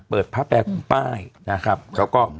เปิดพระแปรคุณป้ายนะครับเขาก็